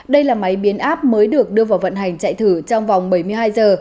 đây là máy biến áp mới được đưa vào vận hành chạy thử trong vòng bảy mươi hai giờ